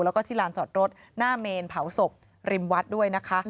แล้วก็ที่ลานจอดรถหน้าเมนเผาศพริมวัดด้วยนะคะ